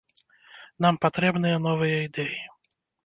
Нам патрэбныя новыя ідэі.